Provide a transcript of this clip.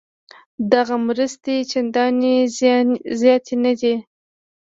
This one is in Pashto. دغه مرستې چندانې زیاتې نه دي.